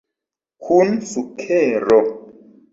Kun sukero.